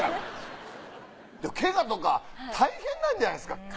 けがとか大変なんじゃないですか？